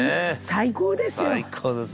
「最高ですよ」